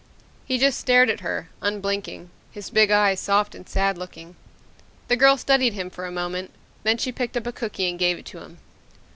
He just stared at her, unblinking, his big eyes soft and sad looking. The girl studied him for a moment, then she picked up a cookie and gave it to him.